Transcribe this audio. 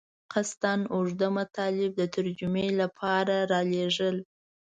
قصداً اوږده مطالب د ترجمې لپاره رالېږل.